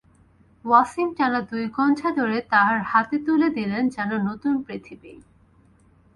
ওয়াসিম টানা দুই ঘণ্টা ধরে তাঁর হাতে তুলে দিলেন যেন নতুন পৃথিবী।